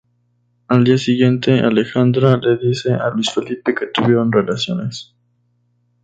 Al día siguiente, Alejandra le dice a Luis Felipe que tuvieron relaciones.